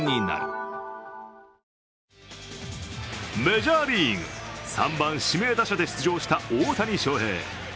メジャーリーグ３番・指名打者で出場した大谷翔平。